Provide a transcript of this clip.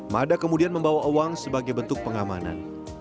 mada kemudian membawa uang sebagai bentuk pengamanan